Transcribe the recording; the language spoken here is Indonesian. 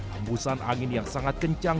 hembusan angin yang sangat kencang